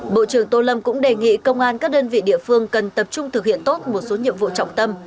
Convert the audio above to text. bộ trưởng tô lâm cũng đề nghị công an các đơn vị địa phương cần tập trung thực hiện tốt một số nhiệm vụ trọng tâm